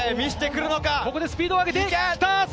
ここでスピードを上げてきた！